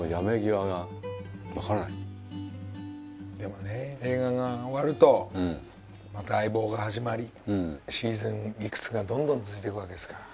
でもね映画が終わるとまた『相棒』が始まりシーズンいくつがどんどん続いていくわけですから。